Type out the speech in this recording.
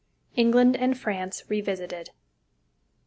ENGLAND AND FRANCE REVISITED.